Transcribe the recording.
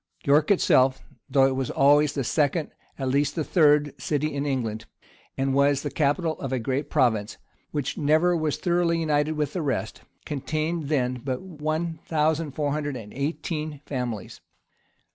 [*] York itself, though it was always the second, at least the third[] city in England, and was the capital of a great province, which never was thoroughly united with the rest, contained then but one thousand four hundred and eighteen families.